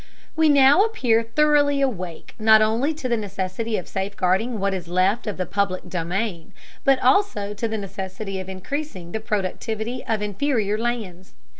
We now appear thoroughly awake not only to the necessity of safeguarding what is left of the public domain, but also to the necessity of increasing the productivity of inferior lands.